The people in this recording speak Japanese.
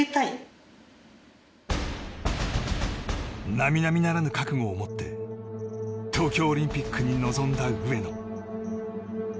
並々ならぬ覚悟を持って東京オリンピックに臨んだ上野。